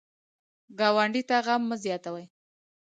ګاونډي ته غم مه زیاتوئ